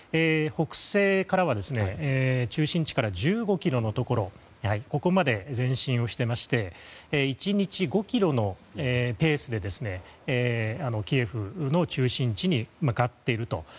北西からは中心地から１５ｋｍのところまで前進をしていまして１日５ｋｍのペースでキエフの中心地に向かっていると。